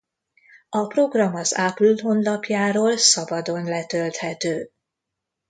A program az Apple honlapjáról szabadon letölthető.